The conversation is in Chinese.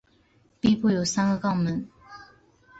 臀部有三个肛门。